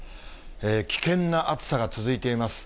危険な暑さが続いています。